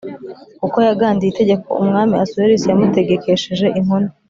kuko yagandiye itegeko Umwami Ahasuwerusi yamutegekesheje inkone